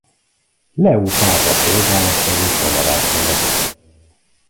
Leó pápa szolgálattevő kamarása lett.